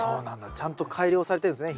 ちゃんと改良されてるんですね